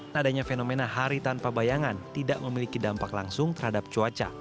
nadanya fenomena hari tanpa bayangan tidak memiliki dampak langsung terhadap cuaca